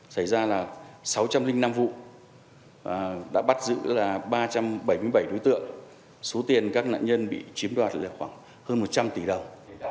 xảy ra là sáu trăm linh năm vụ đã bắt giữ là ba trăm bảy mươi bảy đối tượng số tiền các nạn nhân bị chiếm đoạt là khoảng hơn một trăm linh tỷ đồng